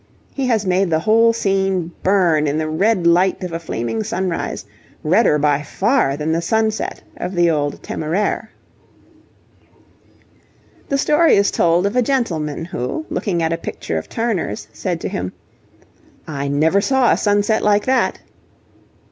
He has made the whole scene burn in the red light of a flaming sunrise, redder by far than the sunset of the old 'Temeraire.' The story is told of a gentleman who, looking at a picture of Turner's, said to him, 'I never saw a sunset like that.'